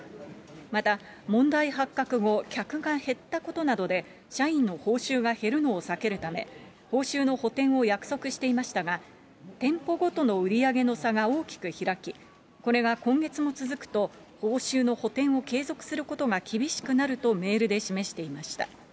また、問題発覚後、客が減ったことなどで、社員の報酬が減るのを避けるため、報酬の補填を約束していましたが、店舗ごとの売り上げの差が大きく開き、これが今月も続くと、報酬の補填を継続することが厳しくなるとメールで示していました。